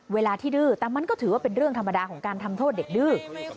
เวลาที่ดื้อแต่มันก็ถือว่าเป็นเรื่องธรรมดาของการทำโทษเด็กดื้อ